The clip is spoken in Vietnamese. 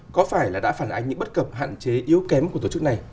có phải là đã phản ánh những bất cập hạn chế yếu kém của tổ chức này